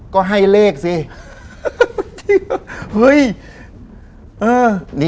ก็ให้เลขสิ